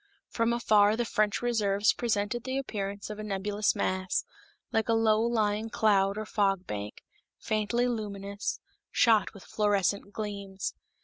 From afar the French reserves presented the appearance of a nebulous mass, like a low lying cloud or fog bank, faintly luminous, shot with fluorescent gleams.